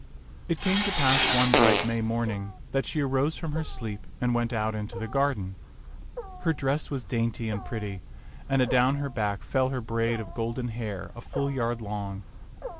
It came to pass one bright May morning that she arose from her sleep and went out into the garden. Her dress was dainty and pretty, and adown her back fell her braid of golden hair a full yard long.